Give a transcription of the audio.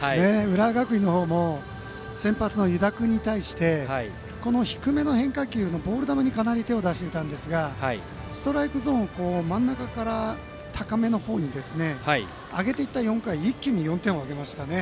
浦和学院の方も先発の湯田君に対して低めの変化球のボール球にかなり手を出していたんですがストライクゾーンを真ん中から高めの方に上げていった４回一気に４点を挙げましたよね。